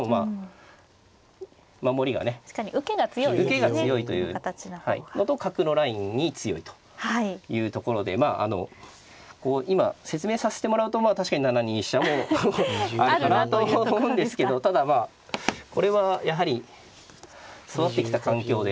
受けが強いというのと角のラインに強いというところでまああのこう今説明させてもらうとまあ確かに７二飛車もあるかなと思うんですけどただまあこれはやはり育ってきた環境で。